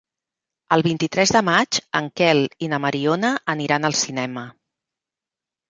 El vint-i-tres de maig en Quel i na Mariona aniran al cinema.